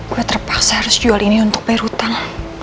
gue terpaksa harus jual ini untuk bayar hutang